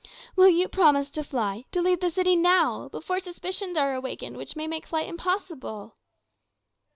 "Will you promise to fly to leave the city now, before suspicions are awakened which may make flight impossible?"